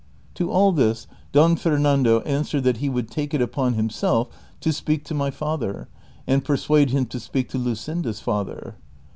To all this Don Fernando answered that he would take it upon himself to speak to my father, and persuade him to speak to Luscinda's father.